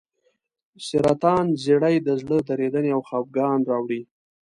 سرطان زیړی د زړه درېدنې او خپګان راوړي.